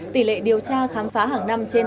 tỷ lệ điều tra khám phá hàng năm trên tám mươi